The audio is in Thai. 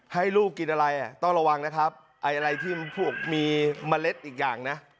ให้ลูกกินอะไรอ่ะต้องระวังนะครับไอ้อะไรที่พวกมีเมล็ดอีกอย่างนะ